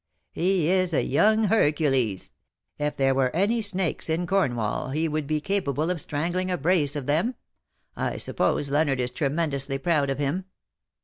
" He is a young Hercules. If there were any snakes in Cornwall he would be capable of strang ling a brace of them. I suppose Leonard is tremendously proud of him."